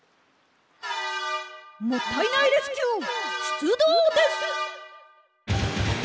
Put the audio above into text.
もったいないレスキューしゅつどうです！